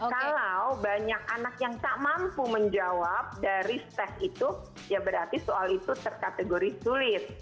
kalau banyak anak yang tak mampu menjawab dari stes itu ya berarti soal itu terkategori sulit